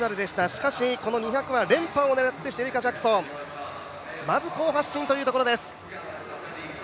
しかし、この２００は連覇を狙ってシェリカ・ジャクソン、まず好発進というところです。